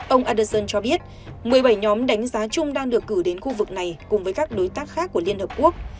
ông aderson cho biết một mươi bảy nhóm đánh giá chung đang được cử đến khu vực này cùng với các đối tác khác của liên hợp quốc